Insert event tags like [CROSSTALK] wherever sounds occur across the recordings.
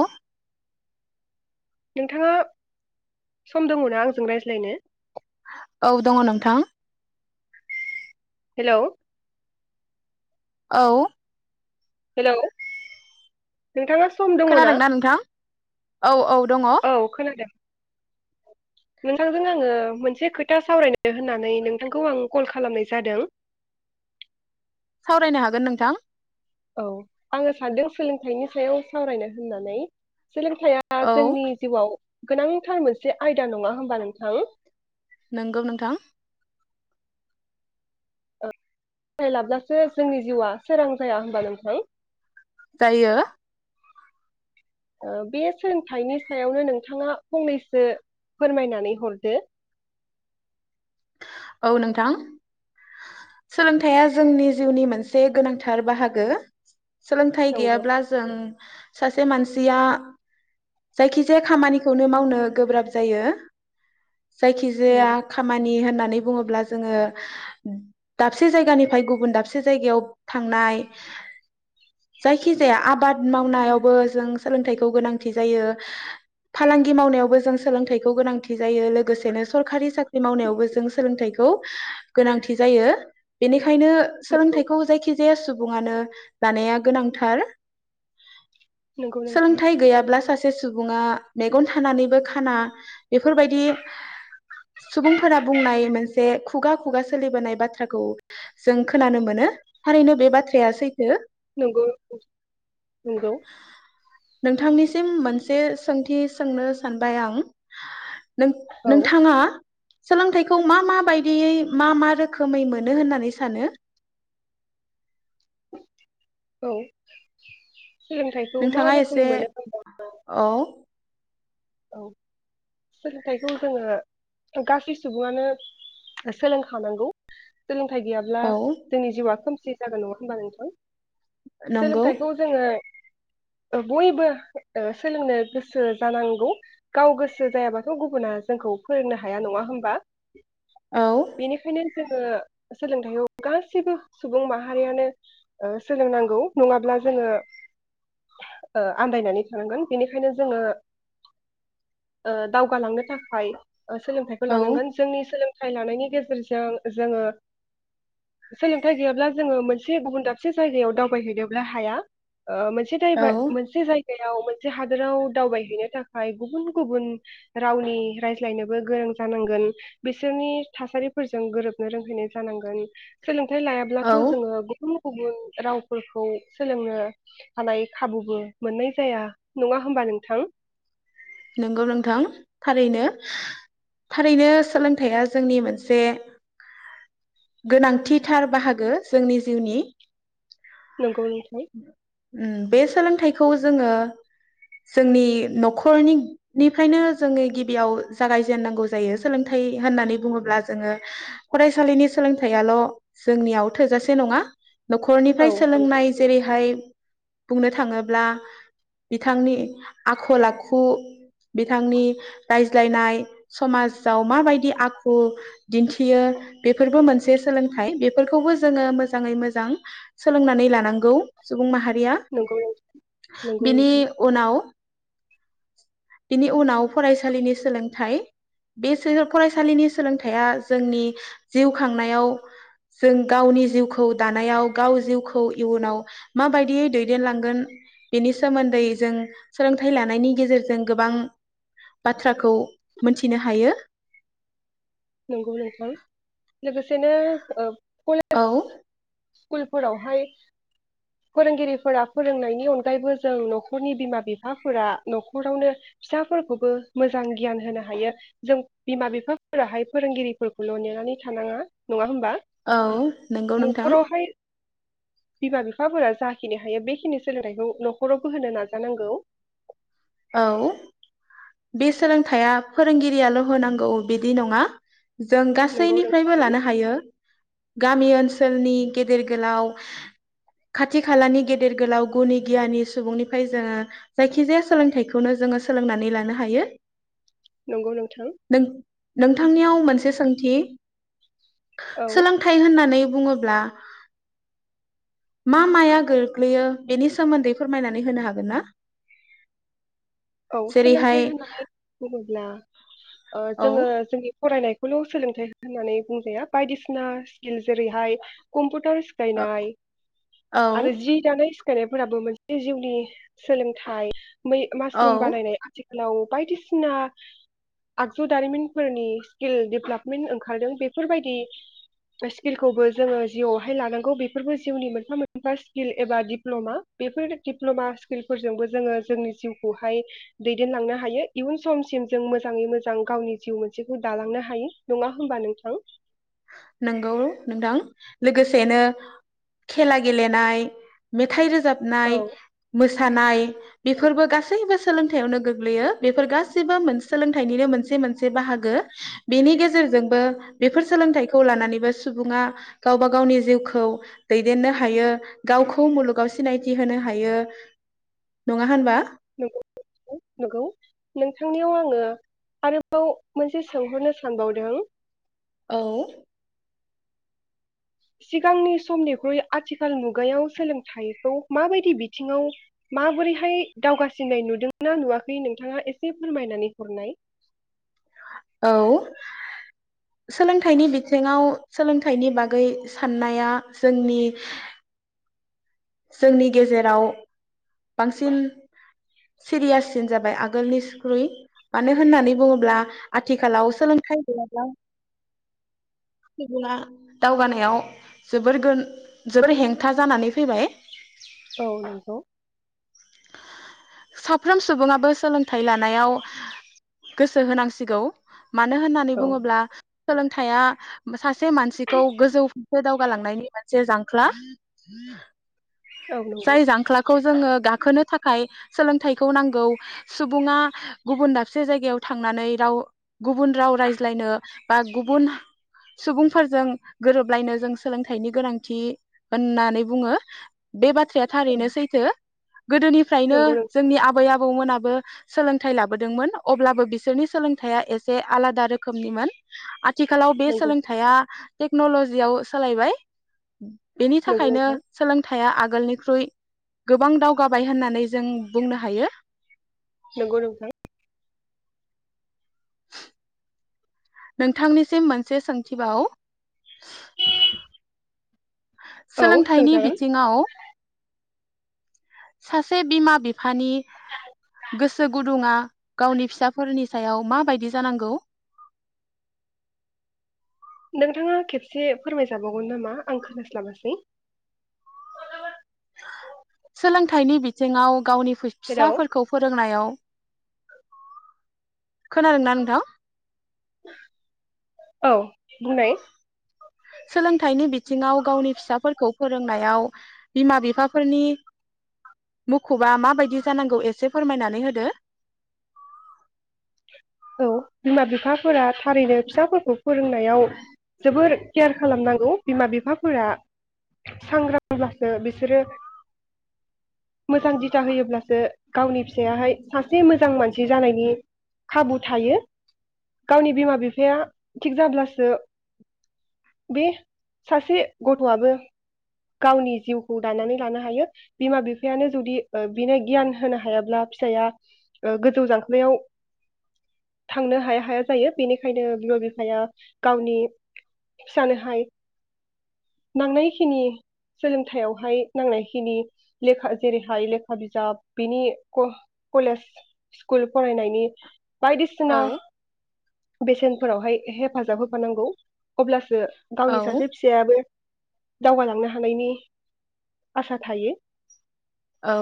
ओ नोंथाङा सम दङ ना आंजों रायज्लायनो? औ दङ नोंथां। हेल'? औ। हेल'? नोंथाङा सम दङ ना? खोनादोंना नोंथां औ औ दङ औ खोनादों। नोंथांजों आङो मोनसे खोथा सावरायनो होननानै नोंथांखौ आं कल खालामनाय जादों। सावरायनो हागोन नोंथां। औ आङो सानदों सोलोंथाइनि सायाव सावरायनो होननानै। सोलोंथाइया औ जोंनि जिउआव गोनांथार मोनसे आयदा नङा होमबा नोंथां? नोंगौ नोंथां। थाय लाब्लासो जोंनि जिउआ सोरां जाया होनबा नोंथां? जायो ओ बे सोलोंथाइनि सायावनो नोंथाङा फंनैसो फोरमायनानै हरदो। औ नोंथां सोलोंथाइया जोंनि जिउनि मोनसे गोनांथार बाहागो सोलोंथाइ नंगौ गैयाब्ला जों सासे मानसिया जायखि जाया खामानिखौनो मावनो गोब्राब जायो। जायखि जाया नंगौ खामानि नि होननानै बुङोब्ला जोङो दाबसे जायगानिफ्राय गुबुन दाबसे जायगायाव थांनाय जायखि जाया आबाद मावनायावबो जों सोलोंथाइखौ गोनांथि जायो फालांगि मावनायावबो जों सोलोंथाइखौ गोनांथि जायो लोगोसेनो सरखारि साख बो जों सोलोंथाइखौ गोनांथि जायो बेनि बेनिखायनो सोलोंथाइखौ जायखिजाया जे सुबुङानो लानाया गोनांथार। नंगौ नोंथां सोलोंथाइ गैयाब्ला सासे सासे सुबुङा मेगन थानानैबो खाना बेफोरबायदि सुबुंफोरा बुंनाय मोनसे खुगा खुगा सोलिबोनाय बाथ्राखौ जों खोनानो मोनो थारैनो बे बाथ्राया सै नंगौ नंगौ। नोंथांनिसिम मोनसे सोंथि सोंनो सानबाय आं। नों औ नोंथाङा सोलोंथाइखौ मा मा बायदियै मा मा रोखोमै मोनो होननानै सानो? औ सोलोंथाइखौ मा नोंथाङा रोखोमै एसे मोनो होनना औ औ सोलोंथाइखौ जोङो गासै सुबुङानो सोलोंखानांगौ। थाइ गैयाब्ला औ जोंनि जिउआ खोम सि जागोन नङा होनबा नोंथां? नंगौ सोलोंथाइखौ जोङो बयबो ओ सोलोंनो गोसो जानांगौ। गाव गोसो जायाबाथ' गुबुना जोंखौ फोरोंनो हाया नङा होमबा? औ बेनिखायनो जोङो सोलोंथाइयाव गासैबो सुबुं माहारियानो ओ सोलोंनांगौ नङाब्ला जोङो ओ आन्दायनानै थानांगोन बेनिखायनो जोङो ओ दावगालांनो थाखाय सोलोंथाइखौ औ लानांगोन जोंनि सोंलों थाय लानायनि गेजेरजों जोङो सोलोंथाइ गैयाब्ला जोङो मोनसे गुबुन दाबसे जायगायाव दावबायहैनोब्ला हाया ओ मोनसे दाय औ बा मोनसे जाय जायाव मोनसे हादराव दावबायहैनो थाख गुबुन गुबुन रावनि रायज्लायनोबो गोरों जानांगोन बिसोरनि थासारिफोरजों गोरोबनो रोंहैनाय जानांगोन सोंलों थाय लायाब्लाथ' औ जोङो गुबुन गुबुन रावफोरखौ सोलोंनो हानाय खाबुबो मोननाय जाया नङा होमबा नोंथां? नंगौ नोंथां थारैनो थारैनो सोलोंथाइया जोंनि मोनसे गोनांथिथार बाहागो जोंनि जिउनि। नंगौ नों उम्म बे सोलोंथाइखौ जोङो जोंनि न'खरनि निफ्रायनो जोङो गिबियाव जागायजेननांगौ जायो सोलोंथाइ होननानै बुङोब्ला जोङो फरायसालिनि सोलोंथाइयाल' जोंनियाव थोजासे नङा। औ न'खरनिफ्राय नंगौ सोलोंनाय बुंनो थाङोब्ला बिथांनि आखल आखु बिथांनि रायज्लायनाय समाजाव माबायदि आखु दिन्थियो बेफोरबो मोनसे सोलोंथाइ बेफोरखौबो जोङो मोजाङै मोजां सोलोंनानै गौ सुबुं माहारि गैया नंगौ नंगौ बिनि नोंथां उनाव बिनि उनाव फरायसालिनि सोलोंथाइ बे सोआ फरायसालिनि सोलोंथाया जोंनि जिउ खांनायाव जों गावनि जिउखौ दानायाव गाव जिउखौ इयुनाव माबायदियै दैदेनलांगोन बेनि सोमोन्दै जों सोलोंथाइ लानायनि गेजेरजों गोबां बाथ्राखौ मिथिनो हायो। नोंगौ नोंथां लोगो सेनो ओ औ स्कुलफोरावहाय फोरोंगिरिफोरा फोरोंनायनि अनगायैबो जों न'खरनि बिमा बिफाफोरा न'खरावनो फिसाफोरखौबो मोजां गियान होनो हायो जों बिमा बिफाफोराहाय फोरोंगिरिफोरखौल' नेनानै थानाङा नङा [UNINTELLIGIBLE] औ नोंगौ नोंथां न'खरावहाय बिमा बिफाफोरा जाखिनि हायो बेखिनि सोलोंथाइखौ न'खरावबो होनो नाजानांगौ। औ बे सोलोंथाइया फोरोंगिरियाल' होनांगौ बिदि नङा। जों नंगौ नोंथां गासैनिफ्रायबो लानो हायो। गामि ओनसोलनि गेदेर गोलाव खाथि खालानि गेदेर गोलाव गुनि गियानि सुबुंनिफ्राय जोङो जायखिजाया सोलोंथाइखौनो जोङो सोलोंनानै लानो हायो। नंगौ नोंथां नों नोंथांनियाव मोनसे सोंथि औ सोलोंथाइ होननानै बुङोब्ला मा माया गोग्लैयो बेनि सोमोन्दै फोरमायनानै होनो हागोन ना? औ जेरैहाय सोलोंथाइ होननानै बुङोब्ला ओ औ जोङो जोंनि फरायनाय खौल' सोलोंथाइ होननानै बुंजाया बायदिसिना स्किल जेरैहाय कुम्पु [UNINTELLIGIBLE] सिखायनाय औ आरो जि दानाय सिखायनायफोराबो मोनसे जिउनि सोलोंथाइ औ [UNINTELLIGIBLE] [UNINTELLIGIBLE] बानायनाय [UNINTELLIGIBLE] [UNINTELLIGIBLE] बायदिसिना आगजु दारिमिनफोरनि स्किल डेभल्पमेन्ट ओंखारदों बेफोरबायदि स्किलखौबो जोङो जिउवावहाय लानांगौ बेफोरबो जिउनि मोनफा मोनफा स्किल एबा डिप्ल'मा बेफोर दिप्ल'मा स्किलफोरजोंबो जोङो जोंनि जिउ खौहाय दैदेनलांनो हायो इयुन समसिम जों मोजाङै मोजां गावनि जिउ मोनसेखौ दालांनो हायो नङा होमबा नोंथां? नोंगौ नोंथां लोगोसेनो खेला गेलेनाय मेथाइ रो जाबनाय औ मोसानाय औ, बेफोरबो गासैबो सोलोंथायावनो गोग्लैयो बेफोर गासिबो मोन सोलोंथाइनिनो मोनसे मोनसे बाहागो बेनि गेजेरजोंबो बेफोर सोलोंथाइखौ लानानैबो सुबुङा गावबा गावनि जिउखौ दैदेननो हायो गावखौ मुलुगाव सिनायथि होनो हायो नङा होनबा? [UNINTELLIGIBLE] नोंगौ नोंथांनियाव आङो आरोबाव मोनसे सोंहरनो सानबावदों औ सिगांनि समनिख्रुइ आथिखाल मुगायाव सोलोंथाइखौ माबायदि बिथिङाव माबोरैहाय दावगासिननाय नुदोंना नुवाखै नोंथाङा एसे फोरमायनानै हरनाय। औ सोलोंथाइनि बिथिङाव सोलोंथाइनि बागै साननाया जोंनि जोंनि गेजेराव बांसिन सिरियाससिन जाबाय आगोलनिसख्रुइ मानो होननानै बुङोब्ला आथिखालाव सोलोंथाइ गैयाब्ला [UNINTELLIGIBLE] सुबुङा दावगानायाव जोबोर गो जोबोर हेंथा जानानै फैबाय। औ नंगौ साफ्रोम सुबुङाबो सोलोंथाइ लानायाव गोसो होनांसिगौ। मानो होननानै औ बुङोब्ला सोलोंथाइया सासे मानसिखौ गोजौ [UNINTELLIGIBLE] दावगालांनायनि मोनसे जांख्ला। नंगौ जाय औ जांख्लाखौ जोङो गा [UNINTELLIGIBLE] थाखाय सोलोंथाइखौ नांगौ सुबुङा गुबुन दाबसे जायगायाव थांनानै राव गुबुन राव रायज्लायनो बा गुबुन सुबुंफोरजों गोरोबलायनो जों सोलोंथाइनि गोनांथि होननानै बुङो बे [UNINTELLIGIBLE] [UNINTELLIGIBLE] थारैनो सैथो गोदोनिफ्रायनो नंगौ नों- जोंनि आबै आबौ मोनाबो सोलोंथाइ लाबोदोंमोन अब्लाबो बिसोरनि सोलोंथाइया एसे आलादा रोखोमनिमोन आथिखालाव बे नंगौ सोलोंथाइया टेक्नलजियाव सोलायबाय बेनि नंगौ थाखायनो नोंथां सोलोंथाइया आगोल आगोलनिख्रुइ गोबां दा जौगाबाय होननानै जों बुंनो हायो। नंगौ नोंथां नोंथांनिसिम मोनसे सोंथिबाव औ सोलोंथाइनि सोंजागोन बिथिङाव सासे बिमा बिफानि गोसो गुदुङा गावनि फिसाफोरनि सायाव माबायदि जानांगौ नोंथाङा खेबसे फोरमायजाबावगोन नामा आं खोनास्लाबासै सोलोंथाइनि बिथिङाव गावनि हेलौ फिसाफोरखौ फोरोंनायाव खोनादों ना नोंथां औ बुंनाय सोलों थाइनि बिथिङाव गावनि फिसाफोरखौ फोरोंनायाव बिमा बिफाफोरनि मुखुबा माबायदि जानांगौ एसे फोरमायनानै होदो औ बिमा बिफाफोरा थारैनो फिसाफोरखौ फोरोंनायाव जोबोर केयार खालामनांगौ बिमा बिफाफोरा सांग्रांब्लासो बिसोरो मोजां दिथा होयोब्लासो गावनि फिसायाहाय सासे मोजां मानसि जानायनि खाबु थायो गावनि बिमा बिफाया थिग जाब्लासो बे सासे गथआबो गावनि जिउखौ दानानै लानो हायो बिमा बिफायानो जुदि बिनो गियान होनो हायाब्ला फिसाया गोजौ जांख्लायाव थांनो हाया हाया जायो बेनिखायनो बिमा बिफाया गावनि फिसानोहाय नांनायखिनि सोलोंथायाइयावहाय नांनायखिनि लेखा जेरैहाय लेखा बिजाब बिनि कलेज स्कुल फरायनायनि बायदिसिना औ बेसेनफोरावहाय हेफाजाब होफानांगौ अब्लासो गावनि औ सासे फिसायाबो दावगालांनो हानायनि आसा थायो औ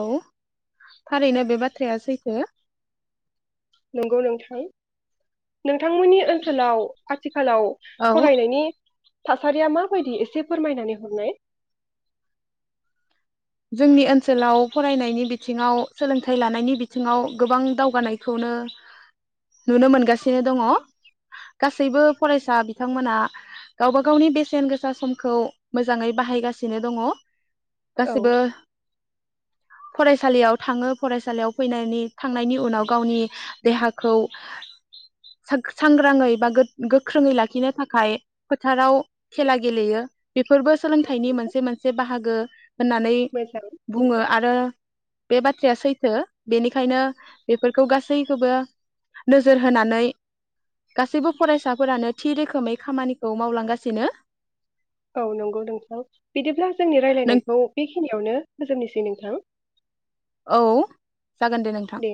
थारैनो बे बाथ्राया सैथो। नंगौ नोंथां नोंथांमोननि ओनसोलाव आथिखालाव औ फरायनायनि थासारिया माबायदि एसे फोरमायनानै हरनाय जोंनि ओनसोलाव फरायनायनि बिथिङाव सोलोंथाइ लानायनि बिथिङाव गोबां दावगानायखौनो नुनो मोनगासिनो दङ गासैबो फरायसा बिथांमोना गावबा गावनि बेसेन गोसा समखौ मोजाङै बाहायगासिनो दङ औ [UNINTELLIGIBLE] फरायसालियाव थाङो फरायसालियाव फैनायनि थांनायनि उनाव गावनि देहाखौ सांग्राङै बा गोख्रोङै लाखिनो थाखाय फोथाराव खेला गेलेयो बेफोरबो थिग सोलोंथाइनि मोनसे मोनसे बाहागो होननानै मोजां बुङो आरो आरो बे बाथ्राया सैथो बेनिखायनो बेफोरखौ गासैखौबो नोजोर होनानै गासैबो फरायसाफोरानो थि रोखोमै खामानिखौ मावलांगासिनो औ नंगौ नोंथां बिदिब्ला जोंनि नों रायलायनायखौ बेखिनियावनो फोजोबनोसै नोंथां। औ जागोन दे नोंथां। [INAUDIBLE]